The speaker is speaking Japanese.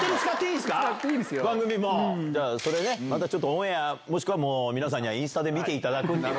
じゃあ、それね、またちょっとオンエア、もう皆さんにはインスタで見ていただく。